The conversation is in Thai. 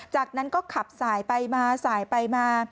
จากนั้นก็ขับสายไปมาสายไปมา